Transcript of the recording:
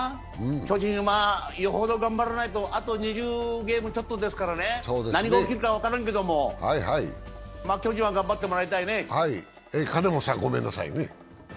巨人はよほど頑張らないと、あと２０ゲームちょっとですから何が起きるか分からんけれども、巨人は頑張ってもらいたいね。